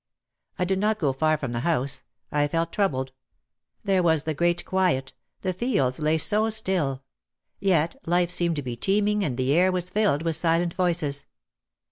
I did not go far from the house. I felt troubled. There was the great quiet. The fields lay so still. Yet life seemed to be teeming and the air was filled with silent voices.